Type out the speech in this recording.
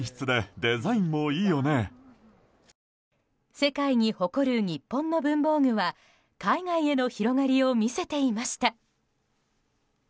世界に誇る日本の文房具は海外への広がりを見せていました。